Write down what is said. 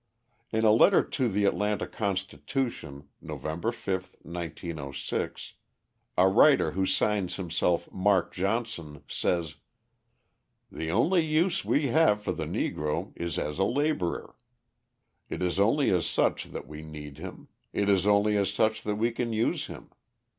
In a letter to the Atlanta Constitution, November 5, 1906, a writer who signs himself Mark Johnson, says: The only use we have for the Negro is as a labourer. It is only as such that we need him; it is only as such that we can use him.